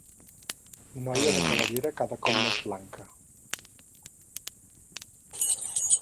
Noia de cabellera cada cop més blanca.